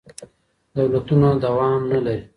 دولتونه دوام نه لري.